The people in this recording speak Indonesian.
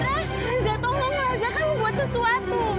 raja tolong raja kamu buat sesuatu